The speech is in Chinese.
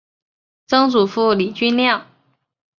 曾祖父李均亮。